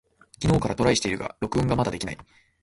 昨日からトライしているが録音がまだできない。